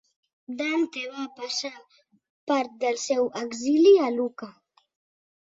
Dante va passar part del seu exili a Lucca.